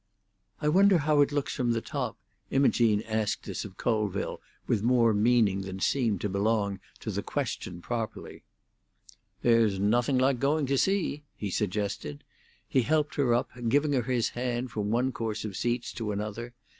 "I wonder how it looks from the top?" Imogene asked this of Colville, with more meaning than seemed to belong to the question properly. "There is nothing like going to see," he suggested. He helped her up, giving her his hand from one course of seats to another.